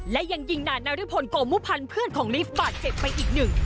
และยังยิงนานนาริพลโกมุพันธ์เพื่อนของลิฟต์บาดเจ็บไปอีกหนึ่ง